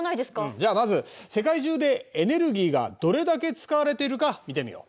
じゃあまず世界中でエネルギーがどれだけ使われているか見てみよう。